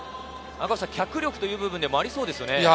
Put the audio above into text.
脚力という部分でもありそうですね。